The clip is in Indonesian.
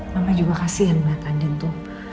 mama juga kasian mbak andin tuh